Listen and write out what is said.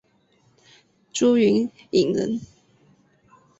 朱云影人。